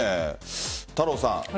太郎さん